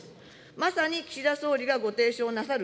まさに岸田総理がご提唱なさる